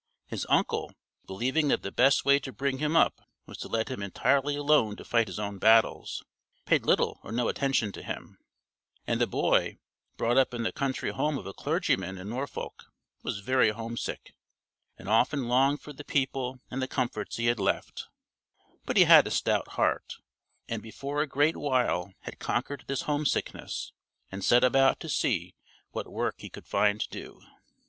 His uncle, believing that the best way to bring him up was to let him entirely alone to fight his own battles, paid little or no attention to him, and the boy, brought up in the country home of a clergyman in Norfolk, was very homesick, and often longed for the people and the comforts he had left; but he had a stout heart, and before a great while had conquered this homesickness and set about to see what work he could find to do.